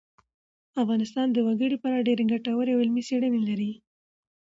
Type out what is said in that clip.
افغانستان د وګړي په اړه ډېرې ګټورې او علمي څېړنې لري.